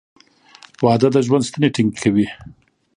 • واده د ژوند ستنې ټینګې کوي.